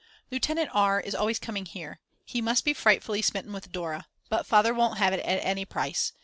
Lieutenant R. is always coming here, he must be frightfully smitten with Dora. But Father won't have it at any price.